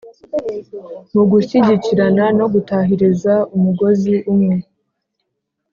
mu gushyigikirana no gutahiriza umugozi umwe